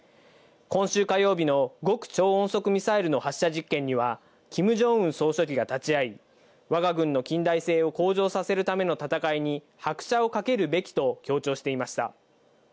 今週火曜日の極超音速ミサイルの発射実験にはキム・ジョンウン総書記が立ち会い、わが軍の近代性を向上させるための闘いに拍車をかけるべきと強調していました。